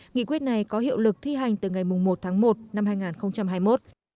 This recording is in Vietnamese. nghị quyết này có hiệu lực thi hành từ ngày một tháng một năm hai nghìn hai mươi một